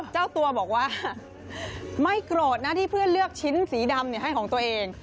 เจ้าตัวบอกว่าไม่โกรธนะที่เพื่อนเลือกชิ้นสีดำให้ของตัวเอง